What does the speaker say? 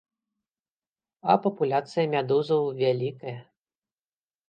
А папуляцыя медузаў вялікая.